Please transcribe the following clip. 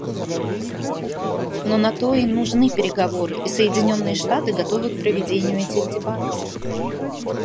Но на то и нужны переговоры, и Соединенные Штаты готовы к проведению этих дебатов.